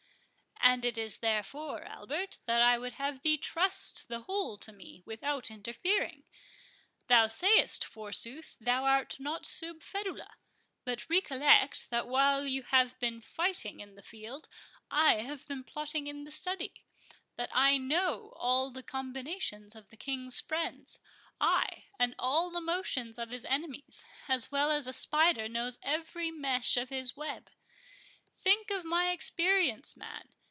"And it is therefore, Albert, that I would have thee trust the whole to me, without interfering. Thou sayest, forsooth, thou art not sub ferula; but recollect that while you have been fighting in the field, I have been plotting in the study—that I know all the combinations of the King's friends, ay, and all the motions of his enemies, as well as a spider knows every mesh of his web. Think of my experience, man.